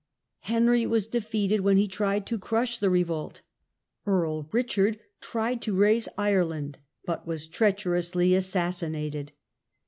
Henry was defeated when he tried to crush the revolt Earl Bichard tried to raise Ireland, but was treacherously assassinated.